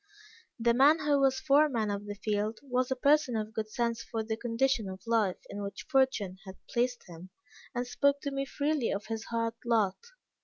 The man who was foreman of the field, was a person of good sense for the condition of life in which fortune had placed him, and spoke to me freely of his hard lot.